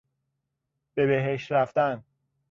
به بهشت رفتن